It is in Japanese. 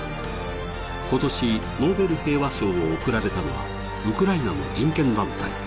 今年ノーベル平和賞を贈られたのはウクライナの人権団体。